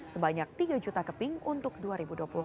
sebanyak tiga juta kata